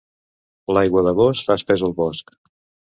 L'aigua d'agost fa espès el bosc.